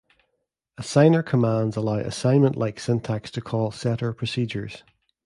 Assigner commands allow assignment-like syntax to call "setter" procedures.